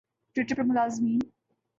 Twitter پر ملازمین